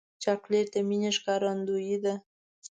چاکلېټ د مینې ښکارندویي ده.